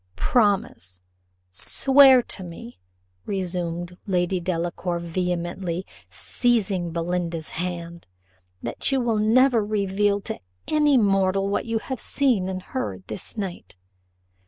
"Promise, swear to me," resumed Lady Delacour vehemently, seizing Belinda's hand, "that you will never reveal to any mortal what you have seen and heard this night.